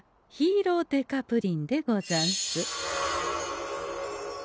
ヒーロー刑事プリンでござんす。